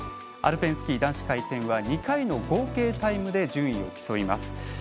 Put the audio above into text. アルペンスキー男子回転は２回の合計タイムで順位を競います。